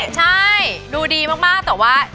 ใช่ดูดีมากแต่ว่า